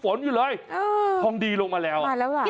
อ้าวมาแล้ววะคิดถึงกันดิทองดีลงมาแล้ว